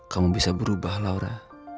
kamu bisa berubah laura